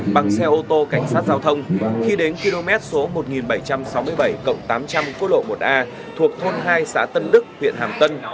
bằng xe ô tô cảnh sát giao thông khi đến km số một nghìn bảy trăm sáu mươi bảy tám trăm linh cô lộ một a thuộc thôn hai xã tân đức huyện hàm tân